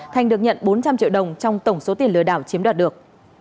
thành được nhận bốn trăm linh triệu đồng trong tổng số tiền lừa đảo chiếm đoạt được